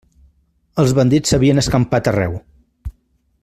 Els bandits s'havien escampat arreu.